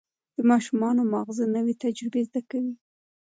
د ماشوم ماغزه نوي تجربې زده کوي.